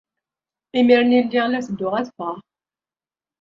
Imir-nni lliɣ la ttedduɣ ad ffɣeɣ.